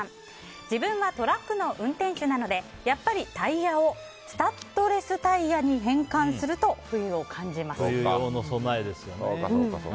自分はトラックの運転手なのでやっぱりタイヤをスタッドレスタイヤに変換すると冬用の備えですよね。